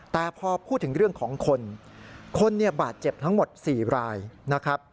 แต่พอพูดถึงเรื่องของคนคนเนี่ยบาดเจ็บทั้งหมด๔รายนะครับ